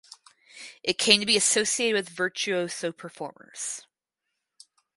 It came to be associated with virtuoso performers.